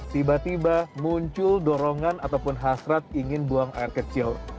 tiba tiba muncul dorongan ataupun hasrat ingin buang air kecil